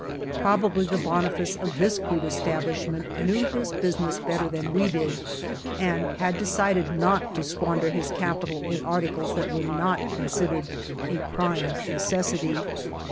Probably the Boniface of this crude establishment knew his business better than we did and had decided not to squander his capital in articles that were not considered a prime necessity.